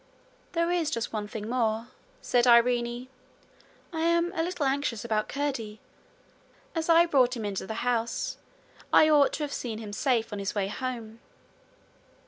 'There is just one thing more,' said Irene. 'I am a little anxious about Curdie. As I brought him into the house, I ought to have seen him safe on his way home.'